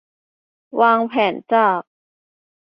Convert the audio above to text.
วางแผนจาก